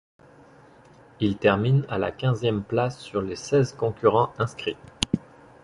Il termine à la quinzième place sur les seize concurrents inscrits.